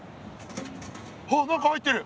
あっ何か入ってる。